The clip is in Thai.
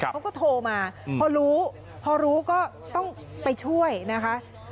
เขาก็โทรมาพอรู้พอรู้ก็ต้องไปช่วยนะคะ